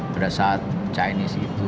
pada saat chinese itu